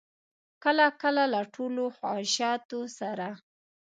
کله کله له ټولو خواهشاتو سره.